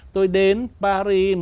tôi đến paris